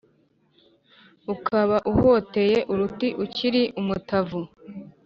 ukaba uhotoye uruti ukiri umutavu”